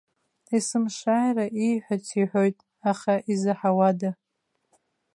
Есымшааира ииҳәац иҳәоит, аха изаҳауада.